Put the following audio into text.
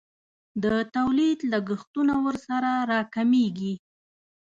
د تولید لګښتونه ورسره راکمیږي.